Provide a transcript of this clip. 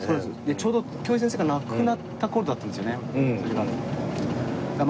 ちょうど京平先生が亡くなった頃だったんですよねそれが。